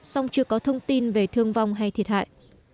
song chưa có thông tin về thương vong hay thiệt hại